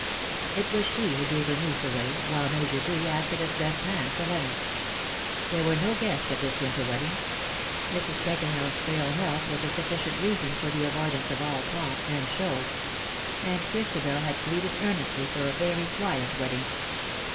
It was she who gave her niece away, while Major Bree acted as best man for Leonard. There were no guests at this Avinter wedding. Mrs. Tregonell's frail health was a sufficent reason for the avoidance of all pomp and 128 "that lip and voice show ; and Christabel had pleaded earnestly for a very quiet wedding.